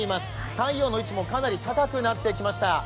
太陽の位置もかなり高くなってきました。